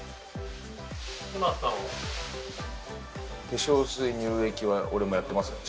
化粧水乳液は俺もやってますよ